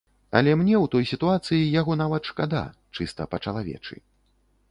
Але мне ў той сітуацыі яго нават шкада, чыста па-чалавечы.